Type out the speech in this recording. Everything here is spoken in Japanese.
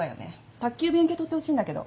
宅急便受け取ってほしいんだけど。